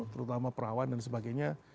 terutama perawan dan sebagainya